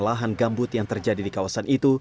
lahan gambut yang terjadi di kawasan itu